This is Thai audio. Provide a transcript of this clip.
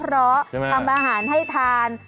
ความอาหารให้ทาน